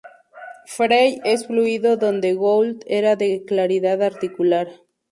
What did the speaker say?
Fray es fluido donde Gould era de claridad articular.